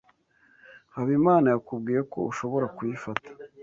Habimana yakubwiye ko ushobora kuyifata?